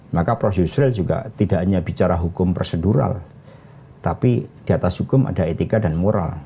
maka prof yusril juga tidak hanya bicara hukum prosedural tapi di atas hukum ada etika dan moral